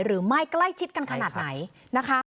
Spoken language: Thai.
หรือไม่ใกล้ชิดกันขนาดไหนนะคะ